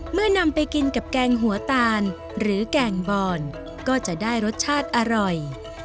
นำไปกินกับแกงหัวตาลหรือแกงบอนก็จะได้รสชาติอร่อย